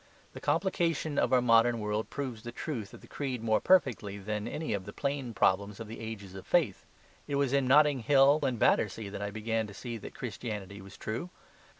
The complication of our modern world proves the truth of the creed more perfectly than any of the plain problems of the ages of faith. It was in Notting Hill and Battersea that I began to see that Christianity was true.